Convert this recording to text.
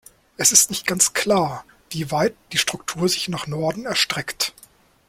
Es ist nicht ganz klar, wie weit die Struktur sich nach Norden erstreckt.